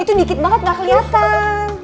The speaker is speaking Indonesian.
itu dikit banget gak kelihatan